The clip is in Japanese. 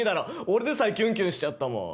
俺でさえキュンキュンしちゃったもん。